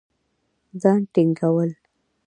ځان ټينګول